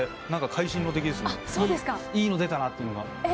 いいの出たなっていうのが。